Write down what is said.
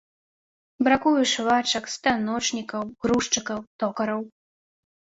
Бракуе швачак, станочнікаў, грузчыкаў, токараў.